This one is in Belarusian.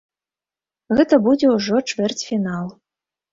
Гэта будзе ўжо чвэрцьфінал.